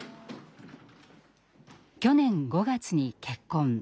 去年５月に結婚。